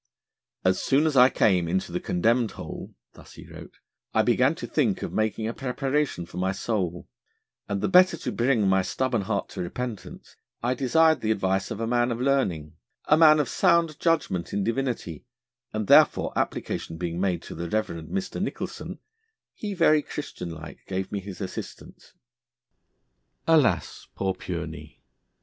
'As soon as I came into the condemned Hole,' thus he wrote, 'I began to think of making a preparation for my soul; and the better to bring my stubborn heart to repentance, I desired the advice of a man of learning, a man of sound judgment in divinity, and therefore application being made to the Reverend Mr. Nicholson, he very Christian like gave me his assistance.' Alas! Poor Pureney!